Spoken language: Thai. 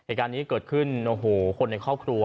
เหตุการณ์นี้เกิดขึ้นโอ้โหคนในครอบครัว